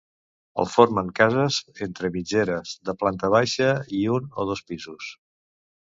El formen cases entre mitgeres, de planta baixa i un o dos pisos.